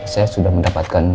saya sudah mendapatkan